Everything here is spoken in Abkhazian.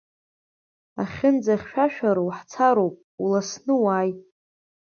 Ахьынӡахьшәашәароу ҳцароуп, уласны уааи.